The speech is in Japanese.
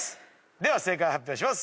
では正解発表します。